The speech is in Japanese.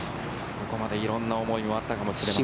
ここまで色んな思いがあったかもしれません。